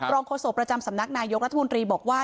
โฆษกประจำสำนักนายกรัฐมนตรีบอกว่า